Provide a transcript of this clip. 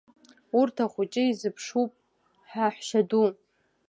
Урҭ ахәыҷы изыԥшуп, ҳаҳәшьаду.